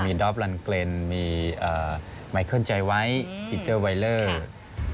มีดอฟลันเกรนมีเอ่อไมค์เคิลใจไวท์อืมวิคเตอร์ไวเลอร์ค่ะ